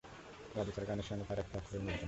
রাধিকার গানের সঙ্গে তার একটি অক্ষরও মিলত না।